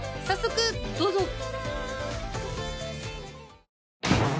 早速どうぞ！